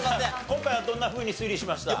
今回はどんなふうに推理しました？